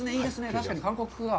確かに韓国風だ。